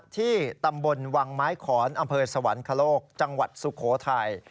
ที่ตำบลวังไม้ขอนอำเภอสวรรคโลกจังหวัดสุโขทัย